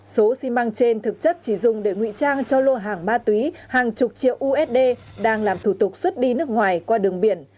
số xi măng trên thực chất chỉ dùng để ngụy trang cho lô hàng ma túy hàng chục triệu usd đang làm thủ tục xuất đi nước ngoài qua đường biển